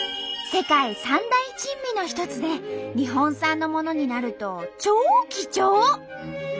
世界三大珍味の一つで日本産のものになると超貴重！